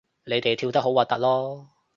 你哋跳得好核突囉